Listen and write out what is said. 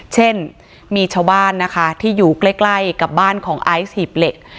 เช่นมีชาวบ้านนะคะที่อยู่ใกล้กับบ้านของไอซ์หีบเหล็ก